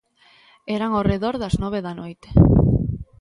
Eran ao redor das nove da noite.